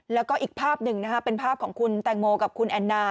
แล้วก็อีกภาพหนึ่งนะฮะเป็นภาพของคุณแตงโมกับคุณแอนนา